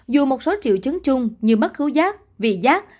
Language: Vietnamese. dù một số triệu chứng chung như mất khứ giác vị giác